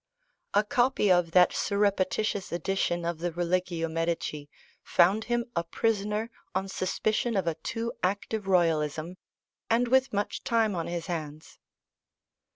A copy of that surreptitious edition of the Religio Medici found him a prisoner on suspicion of a too active royalism, and with much time on his hands.